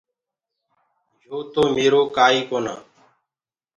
يو تو ميرو ڪآ ئيٚ ڪونآ۔